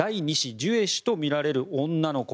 ・ジュエ氏とみられる女の子。